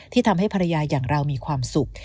ทำให้ภรรยาอย่างเรามีความสุข